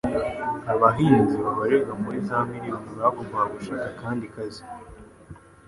Abahinzi babarirwa muri za miriyoni bagombaga gushaka akandi kazi.